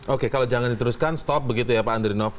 oke kalau jangan diteruskan stop begitu ya pak andrinov